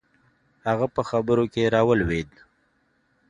هغه په خبرو کښې راولويد.